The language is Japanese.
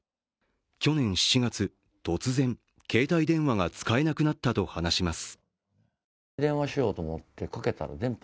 去年７月、突然携帯電話が使えなくなったと話します。